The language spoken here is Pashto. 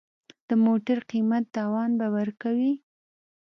د موټر قیمت تاوان به ورکوې.